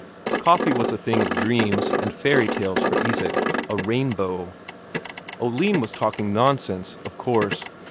Coffee was a thing of dreams and fairy tales for Isak, a rainbow. Oline was talking nonsense, of course.